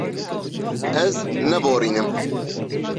Ez neborîm.